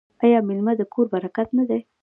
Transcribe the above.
آیا میلمه د کور برکت نه دی؟